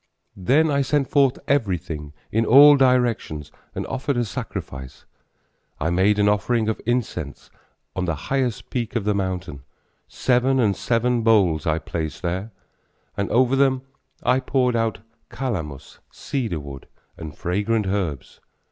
Then I sent forth everything in all directions, and offered a sacrifice, I made an offering of incense on the highest peak of the mountain, Seven and seven bowls I placed there, And over them I poured out calamus, cedar wood and fragrant herbs.